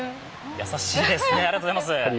やさしいですね、ありがとうございます。